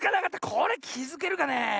これきづけるかねえ。